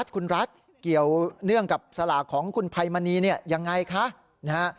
คุณรัฐเกี่ยวเนื่องกับสละของคุณไพมณียังไงคะ